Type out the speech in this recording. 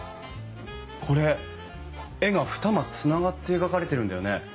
これ絵が二間つながって描かれてるんだよね。